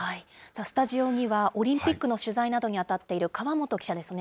スタジオには、オリンピックの取材などに当たっている川本記者です。